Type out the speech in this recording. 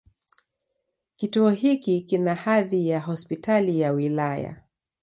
Kituo hiki kina hadhi ya Hospitali ya wilaya.